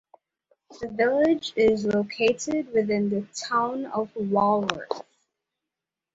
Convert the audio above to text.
The village is located within the Town of Walworth.